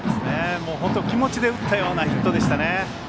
気持ちで打ったようなヒットでしたね。